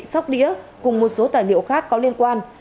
sóc đĩa cùng một số tài liệu khác có liên quan